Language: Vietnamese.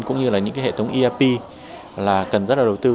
cũng như là những cái hệ thống ep là cần rất là đầu tư